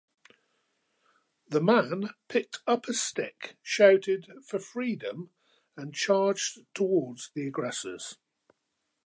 The man picked up a stick, shouted "for freedom" and charged towards the aggressors